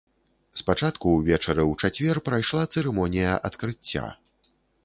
Спачатку ўвечары ў чацвер прайшла цырымонія адкрыцця.